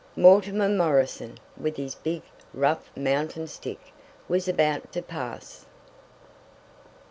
Mortimer Morrison, with his big, rough, mountain stick, was about to pass!